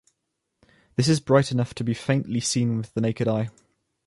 This is bright enough to be faintly seen with the naked eye.